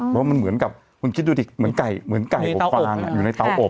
เพราะมันเหมือนกับคุณคิดดูดิเหมือนไก่เหมือนไก่อบวางอยู่ในเตาอบ